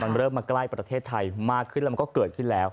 มันเริ่มมาใกล้ประเทศไทยมากขึ้นแล้วมันก็เกิดขึ้นแล้ว